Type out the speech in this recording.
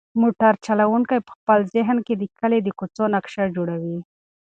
موټر چلونکی په خپل ذهن کې د کلي د کوڅو نقشه جوړوي.